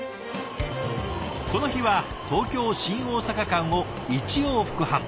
この日は東京・新大阪間を１往復半。